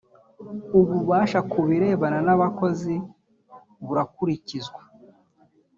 ububasha ku birebana n ‘abakozi burakurikizwa.